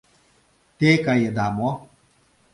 Те каеда мо?..